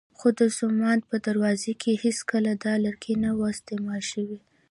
خو د سومنات په دروازو کې هېڅکله دا لرګی نه و استعمال شوی.